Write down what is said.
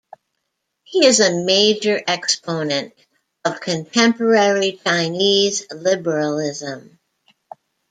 He is a major exponent of contemporary Chinese liberalism.